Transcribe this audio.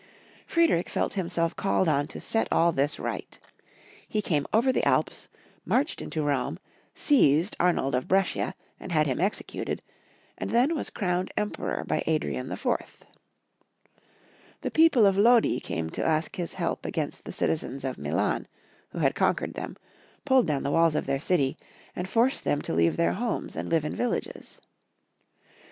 Friedrich felt himself called on to set aU this right. He came over the Alps, marched into Rome, seized Arnold of Brescia, and had him executed, and then was crowned Emperor by Adrian IV. The people of Lodi came to ask his help against the citizens of Milan, who had conquered them, pulled down the walls of their city, and forced them to leave their homes and live in villages.